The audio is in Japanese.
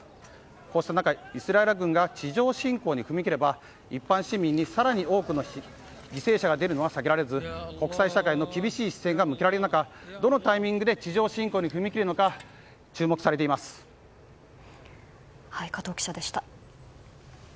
こうした中、イスラエル軍が地上侵攻に踏み切れば一般市民に更に多くの犠牲者が出るのは避けられず国際社会の厳しい視線が向けられる中どのタイミングで地上侵攻に踏み切るのか加藤記者でした。